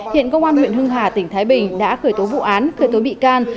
hiện công an huyện hưng hà tỉnh thái bình đã khởi tố vụ án khởi tố bị can